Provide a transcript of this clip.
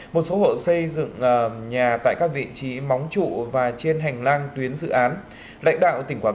một số hộ xây dựng nhà tại các vị trí móng trụ và trên hành lang tuyến dự án lãnh đạo tỉnh quảng